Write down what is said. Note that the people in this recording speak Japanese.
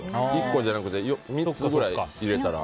１個じゃなくて３つぐらい入れたら。